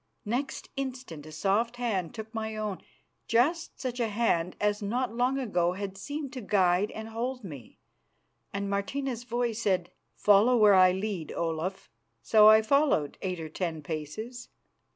Next instant a soft hand took my own, just such a hand as not long ago had seemed to guide and hold me, and Martina's voice said, "Follow where I lead, Olaf." So I followed eight or ten paces.